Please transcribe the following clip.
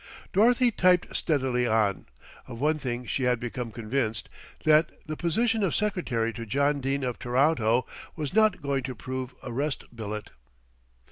Dorothy typed steadily on. Of one thing she had become convinced, that the position of secretary to John Dene of Toronto was not going to prove a rest billet.